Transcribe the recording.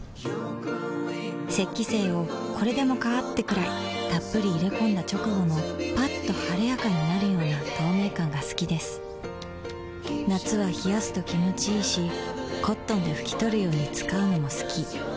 雪肌精をこれでもかーってくらいっぷり入れ込んだ直後のッと晴れやかになるような透明感が好きです夏は冷やすと気持ちいいし灰奪肇で拭き取るように使うのも好き